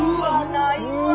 ないわ！